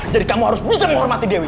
jadi kamu harus bisa menghormati dewi